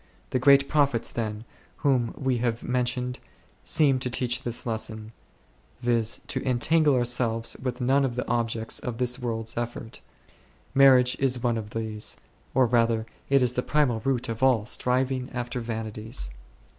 The great prophets, then, whom we have mentioned seem to teach this lesson, viz. to entangle ourselves with none of the objects of this world's effort ; marriage is one of these, or rather it is the primal root of all striving after vanities.